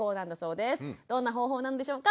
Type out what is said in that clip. どんな方法なんでしょうか。